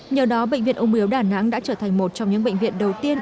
nhờ đó bệnh viện ung biếu đà nẵng đã trở thành một trong những bệnh viện đầu tiên